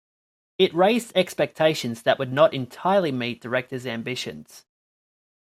It raised expectations that would not entirely meet director's ambitions.